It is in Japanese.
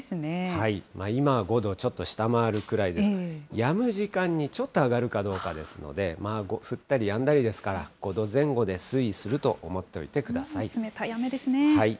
今５度ちょっと下回るくらいですけれども、やむ時間にちょっと上がるかどうかですので、降ったりやんだりですから、５度前後で推移すると思っておいてくださ冷たい雨ですね。